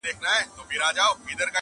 ماته په اورغوي کي ازل موجونه کښلي وه!